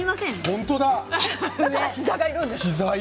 本当だ。